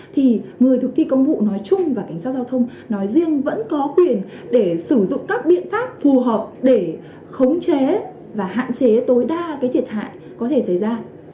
thì người thực thi công vụ nói chung và cảnh sát giao thông nói riêng vẫn có quyền để sử dụng các biện pháp phù hợp để khống chế và hạn chế tối đa thiệt hại có thể xảy ra